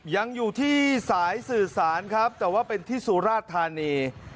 ยังอยู่ที่สายสื่อสารครับแต่ว่าเป็นที่สุราธานี